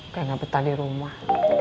kayak gak betah di rumah